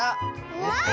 うわ！